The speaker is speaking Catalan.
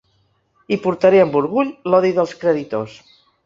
I portaré amb orgull l’odi dels creditors.